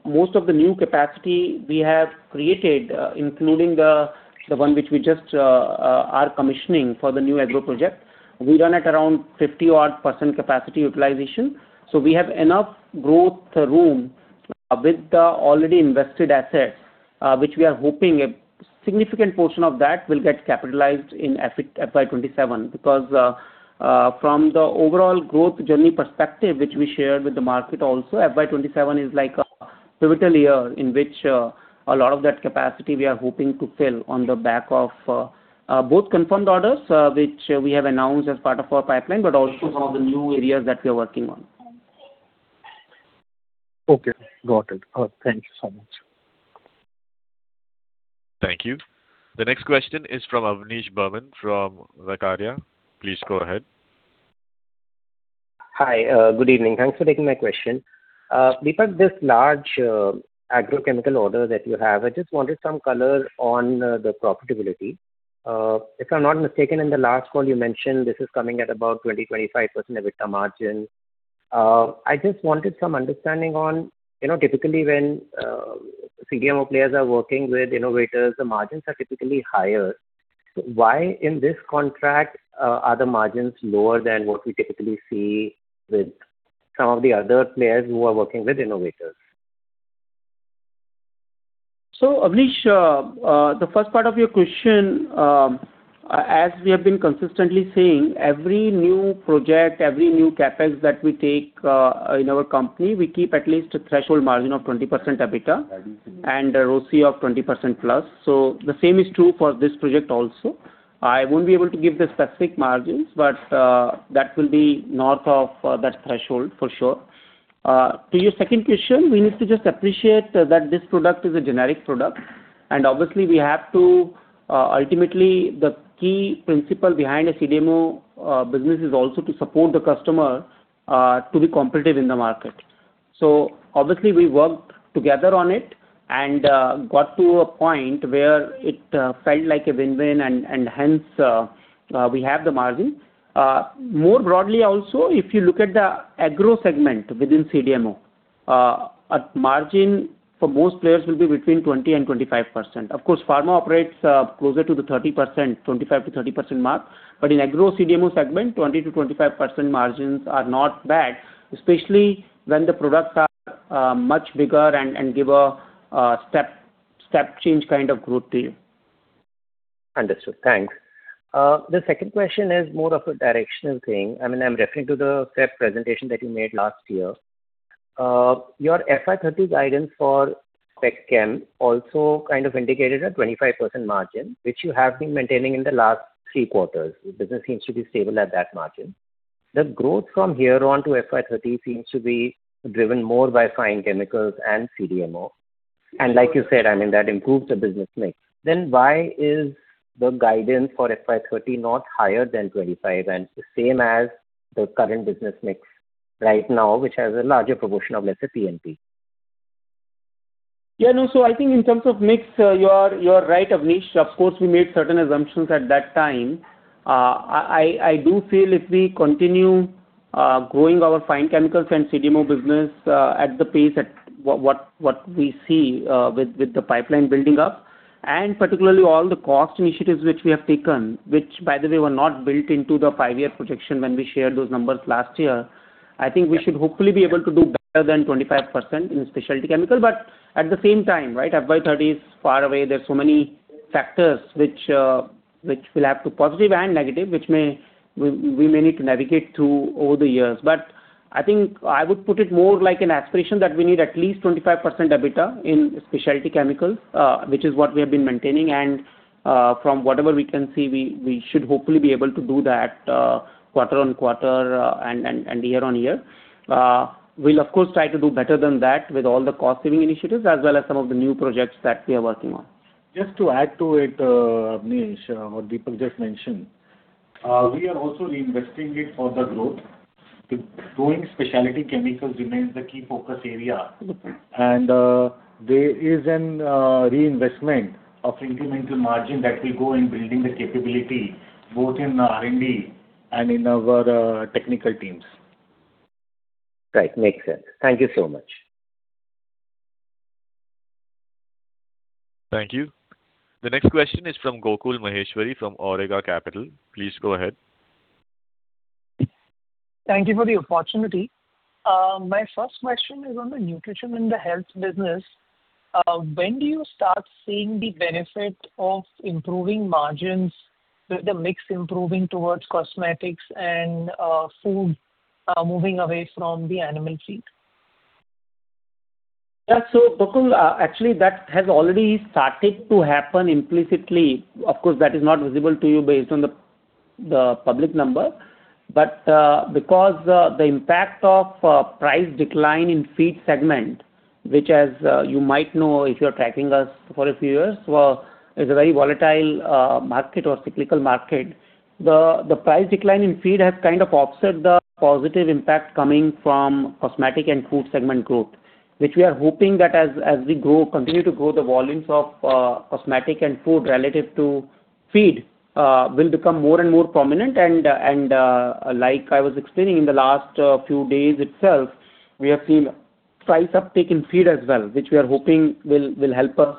Most of the new capacity we have created, including the one which we just are commissioning for the new agro project, we run at around 50-odd% capacity utilization. So we have enough growth room with the already invested assets, which we are hoping a significant portion of that will get capitalized in FY 2027. Because from the overall growth journey perspective, which we shared with the market also, FY 2027 is like a pivotal year, in which a lot of that capacity we are hoping to fill on the back of both confirmed orders, which we have announced as part of our pipeline, but also some of the new areas that we are working on. Okay, got it. Thank you so much. Thank you. The next question is from Avanish Burman from Lara Capital. Please go ahead. Hi, good evening. Thanks for taking my question. Because this large agrochemical order that you have, I just wanted some color on the profitability. If I'm not mistaken, in the last call you mentioned, this is coming at about 20-25% EBITDA margin. I just wanted some understanding on... You know, typically, when CDMO players are working with innovators, the margins are typically higher. Why in this contract are the margins lower than what we typically see with some of the other players who are working with innovators? So, Avnish, the first part of your question, as we have been consistently saying, every new project, every new CapEx that we take in our company, we keep at least a threshold margin of 20% EBITDA and a ROCE of 20%+. So the same is true for this project also. I won't be able to give the specific margins, but that will be north of that threshold for sure. To your second question, we need to just appreciate that this product is a generic product, and obviously, we have to. Ultimately, the key principle behind a CDMO business is also to support the customer to be competitive in the market. So obviously, we worked together on it and got to a point where it felt like a win-win, and hence we have the margin. More broadly also, if you look at the agro segment within CDMO, a margin for most players will be between 20%-25%. Of course, pharma operates closer to the 30%, 25%-30% mark, but in agro CDMO segment, 20%-25% margins are not bad, especially when the products are much bigger and give a step change kind of growth to you. Understood. Thanks. The second question is more of a directional thing. I mean, I'm referring to the set presentation that you made last year. Your FY 2030 guidance for Spec Chem also kind of indicated a 25% margin, which you have been maintaining in the last three quarters. The business seems to be stable at that margin. The growth from here on to FY 2030 seems to be driven more by fine chemicals and CDMO. And like you said, I mean, that improves the business mix. Then why is the guidance for FY 2030 not higher than 25%, and the same as the current business mix right now, which has a larger proportion of, let's say, P&P? Yeah, no, so I think in terms of mix, you are, you are right, Avanish. Of course, we made certain assumptions at that time. I do feel if we continue growing our fine chemicals and CDMO business at the pace at what we see with the pipeline building up, and particularly all the cost initiatives which we have taken, which, by the way, were not built into the five-year projection when we shared those numbers last year, I think we should hopefully be able to do better than 25% in specialty chemicals. But at the same time, right, FY 2030 is far away. There are so many factors which will have to positive and negative, which we may need to navigate through over the years. But I think I would put it more like an aspiration that we need at least 25% EBITDA in specialty chemicals, which is what we have been maintaining. And, from whatever we can see, we should hopefully be able to do that, quarter-on-quarter, and year-on-year. We'll of course, try to do better than that with all the cost-saving initiatives, as well as some of the new projects that we are working on. Just to add to it, Avanish, what Deepak just mentioned, we are also reinvesting it for the growth. The growing specialty chemicals remains the key focus area, and there is a reinvestment of incremental margin that will go in building the capability, both in R&D and in our technical teams. Right. Makes sense. Thank you so much. Thank you. The next question is from Gokul Maheshwari, from Awriga Capital. Please go ahead. Thank you for the opportunity. My first question is on the nutrition and the health business. When do you start seeing the benefit of improving margins, with the mix improving towards cosmetics and food, moving away from the animal feed? Yeah. So, Gokul, actually, that has already started to happen implicitly. Of course, that is not visible to you based on the public number. But, because the impact of price decline in feed segment, which as you might know, if you're tracking us for a few years, is a very volatile market or cyclical market. The price decline in feed has kind of offset the positive impact coming from cosmetic and food segment growth, which we are hoping that as we grow, continue to grow, the volumes of cosmetic and food relative to feed will become more and more prominent. And like I was explaining in the last few days itself, we have seen price uptick in feed as well, which we are hoping will help us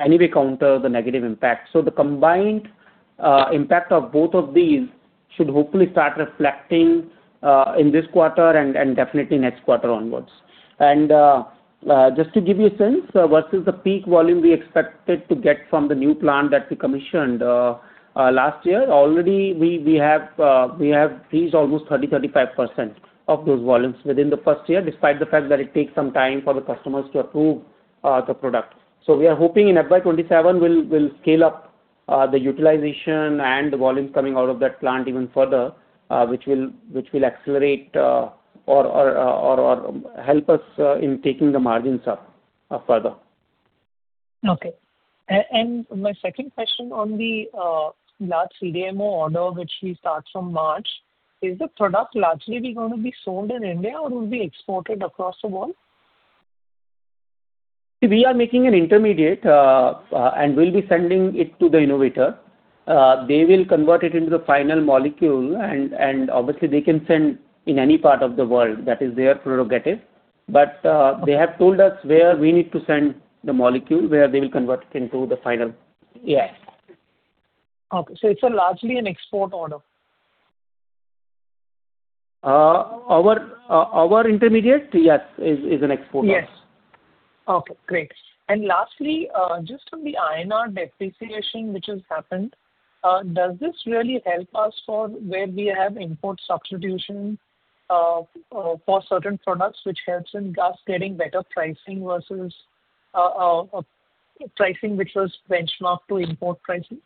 anyway counter the negative impact. So the combined impact of both of these should hopefully start reflecting in this quarter and definitely next quarter onwards. And just to give you a sense, versus the peak volume we expected to get from the new plant that we commissioned last year, already we have reached almost 30%-35% of those volumes within the first year, despite the fact that it takes some time for the customers to approve the product. So we are hoping in FY 2027, we'll scale up the utilization and the volumes coming out of that plant even further, which will accelerate or help us in taking the margins up further. Okay. And my second question on the large CDMO order, which we start from March, is the product largely going to be sold in India or will be exported across the world? We are making an intermediate, and we'll be sending it to the innovator. They will convert it into the final molecule, and obviously, they can send in any part of the world. That is their prerogative. But they have told us where we need to send the molecule, where they will convert it into the final... Yeah. Okay. It's largely an export order?... our intermediate? Yes, is an exporter. Yes. Okay, great. And lastly, just on the INR depreciation which has happened, does this really help us for where we have import substitution, for certain products, which helps in us getting better pricing versus, pricing, which was benchmarked to import pricing?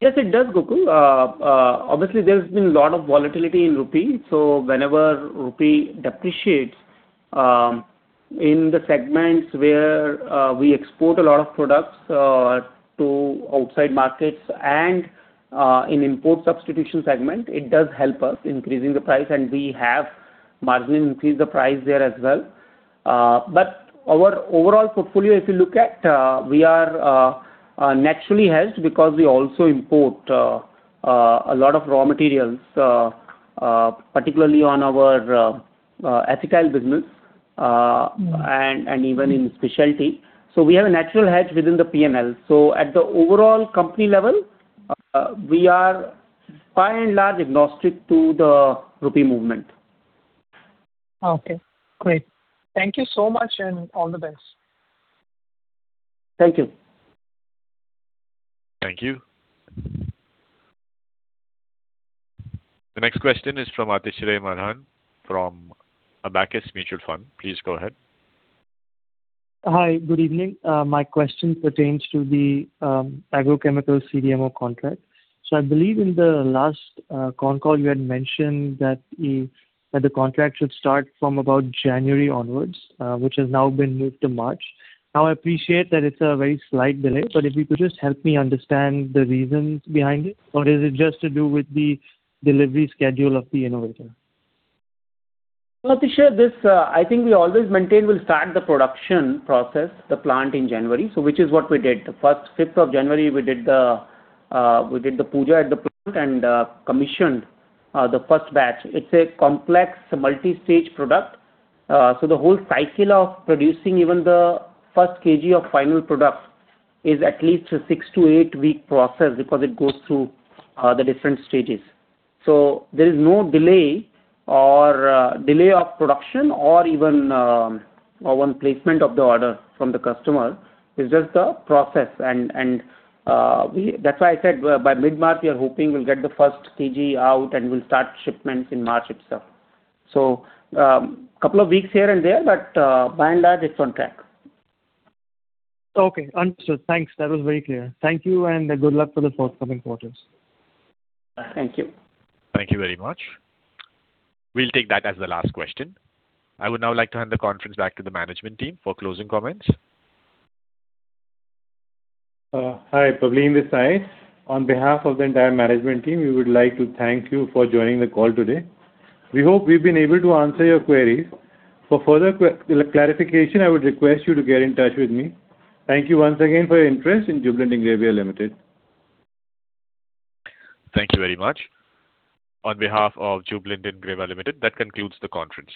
Yes, it does, Gokul. Obviously, there's been a lot of volatility in rupee. So whenever rupee depreciates, in the segments where we export a lot of products to outside markets and in import substitution segment, it does help us increasing the price, and we have margin increase the price there as well. But our overall portfolio, if you look at, we are naturally hedged because we also import a lot of raw materials, particularly on our ethical business. Mm. And even in specialty. So we have a natural hedge within the PNL. So at the overall company level, we are by and large agnostic to the rupee movement. Okay, great. Thank you so much, and all the best. Thank you. Thank you. The next question is from Aetish Jain from Abakkus Asset Manager. Please go ahead. Hi, good evening. My question pertains to the Agrochemical CDMO contract. I believe in the last con call, you had mentioned that the contract should start from about January onwards, which has now been moved to March. Now, I appreciate that it's a very slight delay, but if you could just help me understand the reasons behind it, or is it just to do with the delivery schedule of the innovator? Aetish, this, I think we always maintain, we'll start the production process, the plant in January, so which is what we did. The first fifth of January, we did the, we did the puja at the plant and, commissioned, the first batch. It's a complex, multi-stage product, so the whole cycle of producing even the first kg of final product is at least a 6-8 week process because it goes through, the different stages. So there is no delay or, delay of production or even, or on placement of the order from the customer. It's just a process. And, we-- That's why I said by mid-March, we are hoping we'll get the first kg out and we'll start shipments in March itself. So, couple of weeks here and there, but, by and large, it's on track. Okay, understood. Thanks. That was very clear. Thank you, and good luck for the forthcoming quarters. Thank you. Thank you very much. We'll take that as the last question. I would now like to hand the conference back to the management team for closing comments. Hi, Pavleen Taneja. On behalf of the entire management team, we would like to thank you for joining the call today. We hope we've been able to answer your queries. For further clarification, I would request you to get in touch with me. Thank you once again for your interest in Jubilant Ingrevia Limited. Thank you very much. On behalf of Jubilant Ingrevia Limited, that concludes the conference.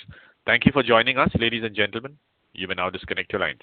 Thank you for joining us, ladies and gentlemen. You may now disconnect your lines.